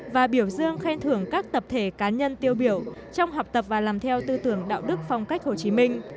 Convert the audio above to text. và biểu dương khen thưởng các tập thể cá nhân tiêu biểu trong học tập và làm theo tư tưởng đạo đức phong cách hồ chí minh